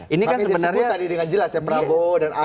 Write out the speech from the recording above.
ini kan sebenarnya